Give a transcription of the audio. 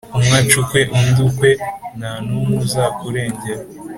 umwe ace ukwe undi ukwe, nta n’umwe uzakurengera.